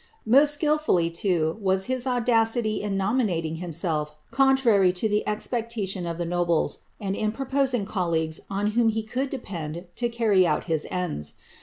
Most skilful, too, was his audacity in nominating himself contrary to the expectation of the nobles, and in proposing colleagues on whom he could depend to carry out his ends.